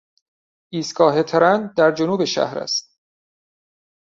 ایستگاه ترن در جنوب شهر است.